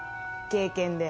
「経験で」。